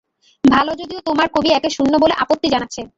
ভাল, যদিও তোমার কবি একে শূন্য বলে আপত্তি জানাচ্ছে।